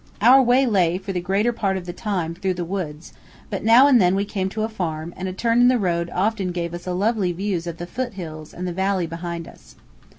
Our way lay, for the greater part of the time, through the woods, but now and then we came to a farm, and a turn in the road often gave us lovely views of the foot hills and the valleys behind us.